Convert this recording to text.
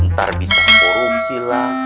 ntar bisa korupsi lah